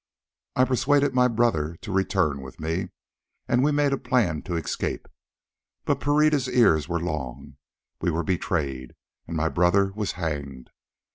I persuaded my brother to return with me, and we made a plan to escape. But Pereira's ears were long: we were betrayed, and my brother was hanged.